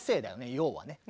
要はね。